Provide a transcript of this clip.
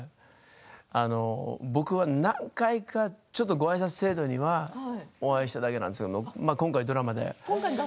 僕は何回か、ちょっとごあいさつ程度にはお会いしただけなんですけど今回がっつりドラマで。